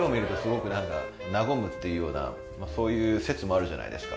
人は。っていうようなそういう説もあるじゃないですか。